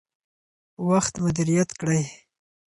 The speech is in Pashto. وخت مدیریت کړئ.